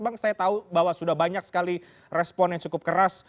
bang saya tahu bahwa sudah banyak sekali respon yang cukup keras